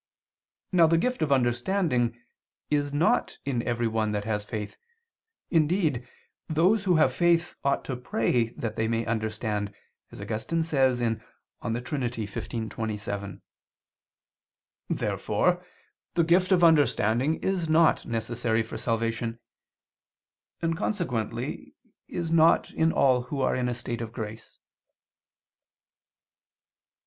Now the gift of understanding is not in everyone that has faith; indeed, those who have faith ought to pray that they may understand, as Augustine says (De Trin. xv, 27). Therefore the gift of understanding is not necessary for salvation: and, consequently, is not in all who are in a state of grace.